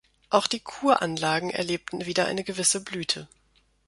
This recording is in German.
Auch die Kuranlagen erlebten wieder eine gewisse Blüte.